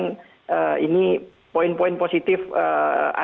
bahwasannya mou antara ketiga institusi itu ingin menjelaskan